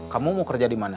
kamu mau kerja di mana